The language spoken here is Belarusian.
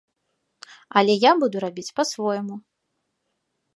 Але я буду рабіць па-свойму.